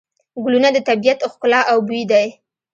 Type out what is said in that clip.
ګلونه د طبیعت ښکلا او بوی دی.